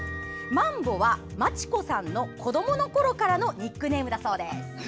まんぼは、真智子さんの子どものころからのニックネームだそうです。